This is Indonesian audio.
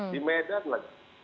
di medan lah